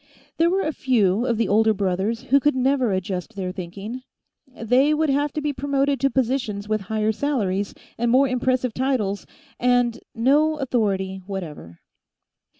There were a few of the older brothers who could never adjust their thinking; they would have to be promoted to positions with higher salaries and more impressive titles and no authority whatever.